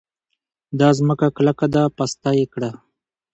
دا ځمکه کلکه ده؛ پسته يې کړه.